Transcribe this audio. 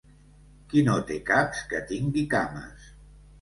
Qui no té caps, que tingui cames.